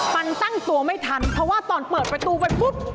ฟันตั้งตัวไม่ทันเพราะว่าตอนเปิดประตูไปปุ๊บ